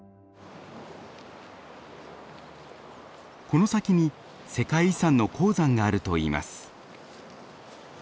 この先に世界遺産の鉱山があるといいます。